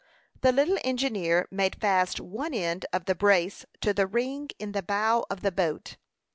The little engineer made fast one end of the brace to the ring in the bow of the boat.